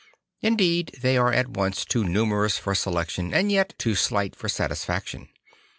Indeed they are at once too numerous for selection and yet too slight for satisfaction.